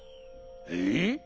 えっ？